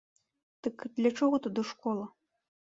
Дык для чаго тады школа?